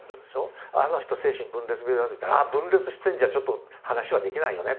「あの人精神分裂病だよ」と言ったら「あっ分裂してるんじゃちょっと話はできないよね」